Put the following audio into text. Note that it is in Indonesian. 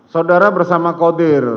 saudara bersama kodir